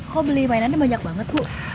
kok beli mainannya banyak banget bu